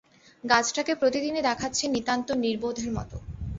গাছটাকে প্রতিদিনই দেখাচ্ছে নিতান্ত নির্বোধের মতো।